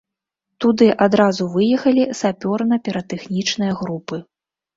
Туды адразу выехалі сапёрна-піратэхнічныя групы.